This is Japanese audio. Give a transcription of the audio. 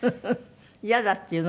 「イヤだ」って言うの？